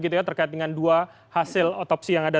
terkait dengan dua hasil otopsi yang ada